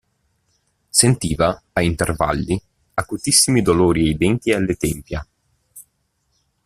Sentiva, a intervalli, acutissimi dolori ai denti e alle tempia.